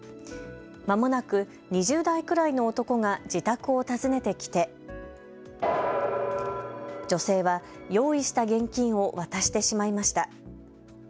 まもなく２０代くらいの男が自宅を訪ねてきて女性は用意した現金を渡してしまいました。